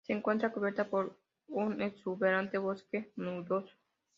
Se encuentra cubierta por un exuberante bosque nuboso.